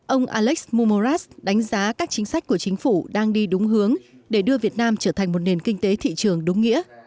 ông alex mumoras đánh giá các chính sách của chính phủ đang đi đúng hướng để đưa việt nam trở thành một nền kinh tế thị trường đúng nghĩa